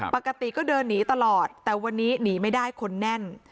ปกติก็เดินหนีตลอดแต่วันนี้หนีไม่ได้คนแน่น